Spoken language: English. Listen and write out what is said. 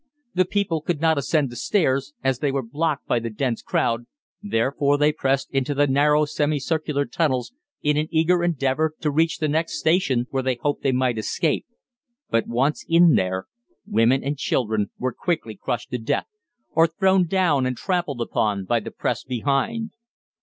The people could not ascend the stairs, as they were blocked by the dense crowd, therefore they pressed into the narrow semi circular tunnels in an eager endeavour to reach the next station, where they hoped they might escape; but once in there women and children were quickly crushed to death, or thrown down and trampled upon by the press behind.